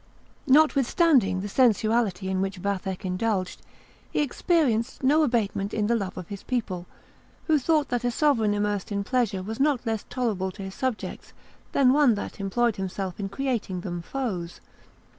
Notwithstanding the sensuality in which Vathek indulged, he experienced no abatement in the love of his people, who thought that a sovereign immersed in pleasure was not less tolerable to his subjects than one that employed himself in creating them foes.